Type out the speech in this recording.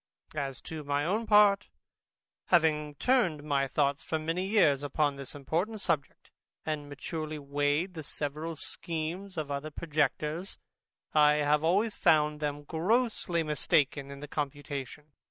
As to my own part, having turned my thoughts for many years upon this important subject, and maturely weighed the several schemes of our projectors, I have always found them grossly mistaken in their computation.